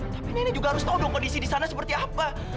tapi nenek juga harus tahu dong kondisi di sana seperti apa